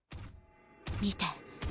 見て。